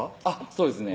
そうですね